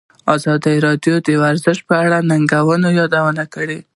ازادي راډیو د ورزش په اړه د ننګونو یادونه کړې.